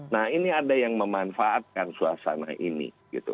nah ini ada yang memanfaatkan suasana ini gitu